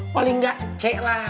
paling gak c lah